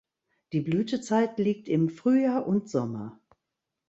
Die Blütezeit liegt im Frühjahr und Sommer.